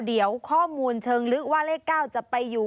เดี๋ยวข้อมูลเชิงลึกว่าเลข๙จะไปอยู่